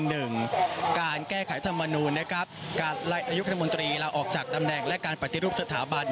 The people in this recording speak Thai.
หนึ่งการแก้ไขสมนุนนะครับออกจากตำแหน่งและการปฏิรูปสถาบัน